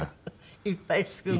いっぱい作るの？